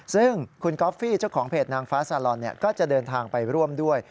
ซึ่งคุณก๊อฟฟี่เจ้าของเพจนางฟ้าซาลอนก็จะเดินทางไปร่วมด้วย